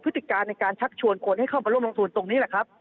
ติการในการชักชวนคนให้เข้ามาร่วมลงทุนตรงนี้แหละครับ